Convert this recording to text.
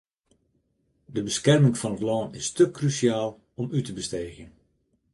De beskerming fan it lân is te krúsjaal om út te besteegjen.